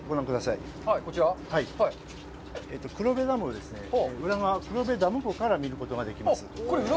黒部ダム、黒部ダム湖から見ることができます。